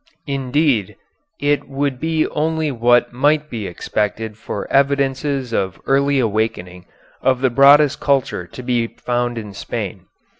Indeed, it would be only what might be expected for evidences of early awakening of the broadest culture to be found in Spain.